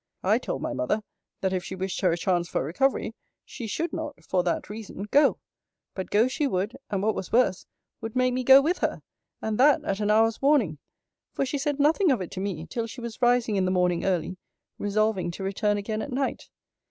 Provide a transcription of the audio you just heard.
I told my mother, That if she wished her a chance for recovery, she should not, for that reason, go. But go she would; and, what was worse, would make me go with her; and that, at an hour's warning; for she said nothing of it to me, till she was rising in the morning early, resolving to return again at night.